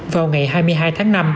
vào ngày hai mươi hai tháng năm